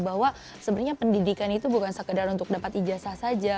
bahwa sebenarnya pendidikan itu bukan sekedar untuk dapat ijazah saja